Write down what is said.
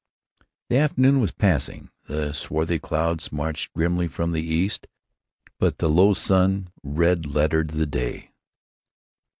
The afternoon was passing; the swarthy clouds marched grimly from the east; but the low sun red lettered the day.